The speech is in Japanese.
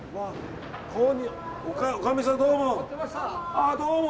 おかみさん、どうも。